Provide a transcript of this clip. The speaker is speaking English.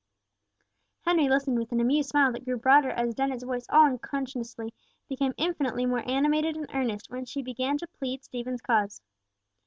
Henry listened with an amused smile that grew broader as Dennet's voice all unconsciously became infinitely more animated and earnest, when she began to plead Stephen's cause.